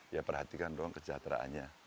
yang diperhatikan doang kesejahteraannya